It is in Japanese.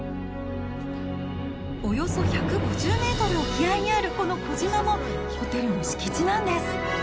およそ１５０メートル沖合にあるこの小島もホテルの敷地なんです。